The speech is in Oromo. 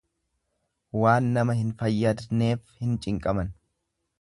Waan nama hin fayyadneef hin cinqaman.